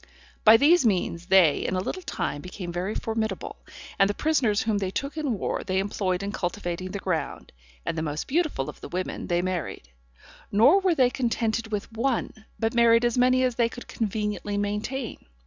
By these means they in a little time became very formidable, and the prisoners whom they took in war they employed in cultivating the ground, and the most beautiful of the women they married; nor were they contented with one, but married as many as they could conveniently maintain.